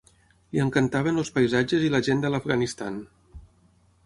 Li encantaven els paisatges i la gent de l'Afganistan.